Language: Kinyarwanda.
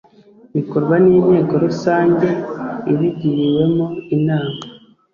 bikorwa n inteko rusange ibigiriwemo inama